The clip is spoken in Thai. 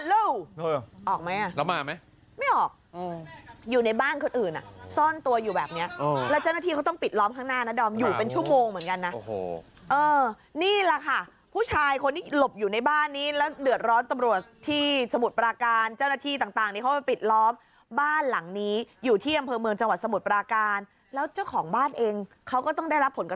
รู้ออกมารู้ออกไหมเรามาไหมไม่ออกอยู่ในบ้านคนอื่นน่ะซ่อนตัวอยู่แบบนี้แล้วเจ้าหน้าที่เขาต้องปิดล้อมข้างหน้าน่ะดอมอยู่เป็นชั่วโมงเหมือนกันนะโอ้โหเออนี่แหละค่ะผู้ชายคนที่หลบอยู่ในบ้านนี้แล้วเดือดร้อนตำรวจที่สมุทรปราการเจ้าหน้าที่ต่างนี้เขาไปปิดล้อมบ้านหลังนี้อยู่ที่อำเภอเมือง